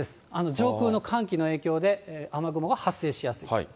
上空の寒気の影響で、雨雲が発生しやすい。